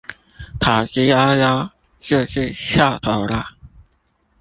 逃之夭夭就是蹺頭啦